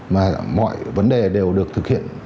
mà mọi vấn đề đều được thực hiện